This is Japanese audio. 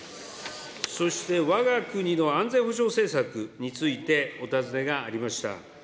そしてわが国の安全保障政策についてお尋ねがありました。